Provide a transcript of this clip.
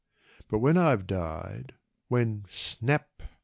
But when I've died, When snap!